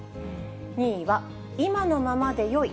２位は今のままでよい。